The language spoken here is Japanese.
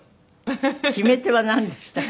決め手はなんでしたか？